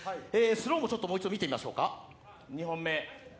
スローももう一度見てみましょう、２本目。